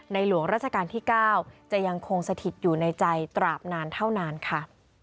หลวงราชการที่๙จะยังคงสถิตอยู่ในใจตราบนานเท่านานค่ะ